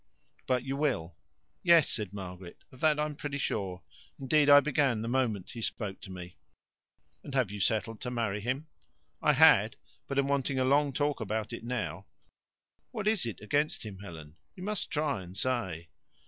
"But you will?" "Yes," said Margaret, "of that I'm pretty sure. Indeed, I began the moment he spoke to me." "And have settled to marry him?" "I had, but am wanting a long talk about it now. What is it against him, Helen? You must try and say."